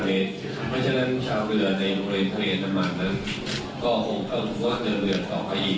เพราะฉะนั้นเช้าเวลาในโรยนทะเลน้ำมันนั้นก็คงจะเบือนต่อไปอีก